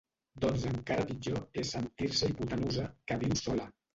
Doncs encara pitjor és sentir-se hipotenusa, que viu sola.